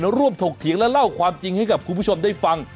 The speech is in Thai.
ร่วมถกเถียงและเล่าความจริงให้กับคุณผู้ชมได้ฟัง